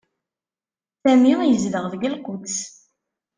Sami yezdeɣ deg Lquds.